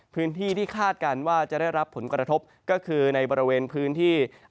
พื้นที่ที่คาดการณ์ว่าจะได้รับผลกระทบก็คือในบริเวณพื้นที่